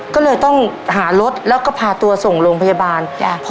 ก็เลยต้องหารถแล้วก็พาตัวส่งโรงพยาบาลจ้ะ